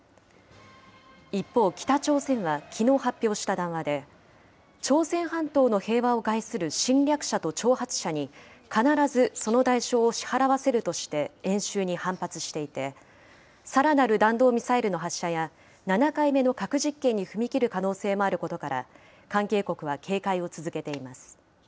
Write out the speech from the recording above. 一方、北朝鮮はきのう発表した談話で、朝鮮半島の平和を害する侵略者と挑発者に、必ずその代償を支払わせるとして演習に反発していて、さらなる弾道ミサイルの発射や、７回目の核実験に踏み切る可能性もあることから、関係国は警戒を続けています。